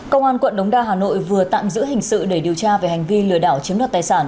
công an quận đống đa hà nội vừa tạm giữ hình sự để điều tra về hành vi lừa đảo chiếm đoạt tài sản